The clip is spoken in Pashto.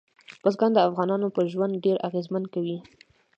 بزګان د افغانانو پر ژوند ډېر اغېزمن کوي.